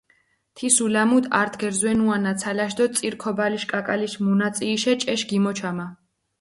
თის ულამუდჷ ართ გერზვენუა ნაცალაშ დო წირ ქობალიშ კაკალიშ მუნაწიიშე ჭეშ გიმოჩამა.